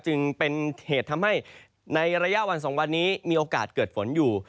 จึงเป็นเหตุทำให้ในระยะวัน๒วันนี้มีโอกาสเกิดฝนอยู่